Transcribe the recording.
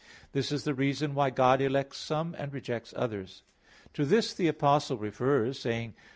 This is the reason why God elects some and rejects others. To this the Apostle refers, saying (Rom.